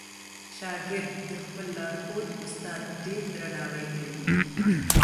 شاګرد د خپل لارښود استاد ډېر درناوی کوي.